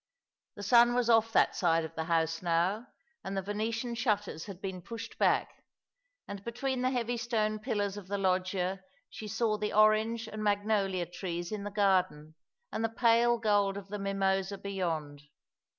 The sun was off that side of the house nov/, and the Venetian shutters had been pushed back ; and between the heavy stone pillars of the loggia she saw the orange and magnolia trees in the garden, and the prJe gold of the mimosas beyond.